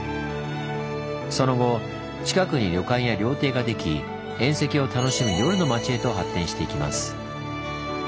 その後近くに旅館や料亭ができ宴席を楽しむ夜の街へと発展していきます。